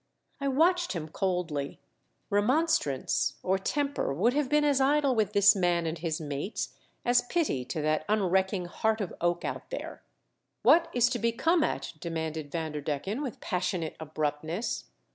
I watched him coldly. Remonstrance or temper would have been as idle with this man and his mates as pity to that unrecking heart of oak out there. "What is to be come at?" demanded Vanderdecken, with passionate abruptness.